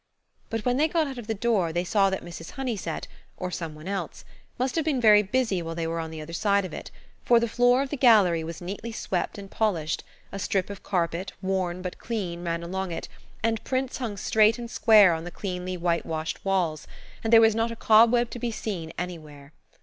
But when they got out of the door they saw that Mrs. Honeysett, or some one else, must have been very busy while they were on the other side of it, for the floor of the gallery was neatly swept and polished; a strip of carpet, worn, but clean, ran along it, and prints hung straight and square on the cleanly, whitewashed walls, and there was not a cobweb to be seen anywhere.